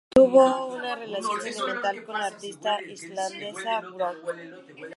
Tuvo una relación sentimental con la artista islandesa Björk.